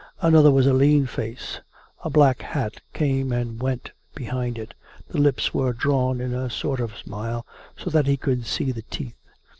Another was a lean face; a black hat came and went behind it; the lips were drawn in a sort of smile, so that he could see the teeth.